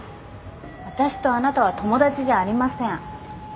私とあなたは友達じゃありません。